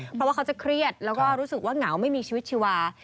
เพราะว่าเขาจะเครียดแล้วก็รู้สึกว่าเหงาไม่มีชีวิตชีวา